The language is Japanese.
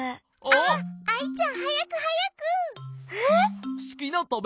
あっアイちゃんはやくはやく！